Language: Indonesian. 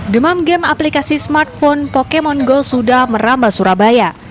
demam game aplikasi smartphone pokemon go sudah merambah surabaya